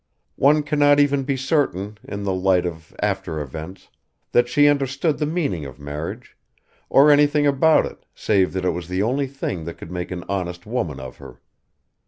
One cannot even be certain, in the light of after events, that she understood the meaning of marriage, or anything about it save that it was the only thing that could make an honest woman of her.